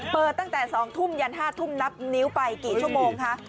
เปิดตั้งแต่๒ทุ่มยัน๕ทุ่มนับนิ้วไปกี่ชั่วโมงคะ